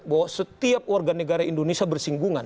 bahwa setiap warga negara indonesia bersinggungan